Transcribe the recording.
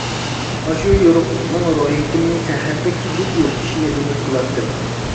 ئاشۇ يورۇقلۇقنىڭ روھىيىتىمنى سەھەردەك سۈزۈك يورۇتۇشىنى ئۈمىد قىلاتتىم.